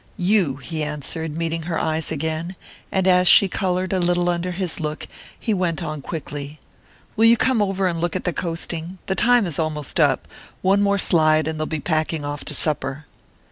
"You," he answered, meeting her eyes again; and as she coloured a little under his look he went on quickly: "Will you come over and look at the coasting? The time is almost up. One more slide and they'll be packing off to supper."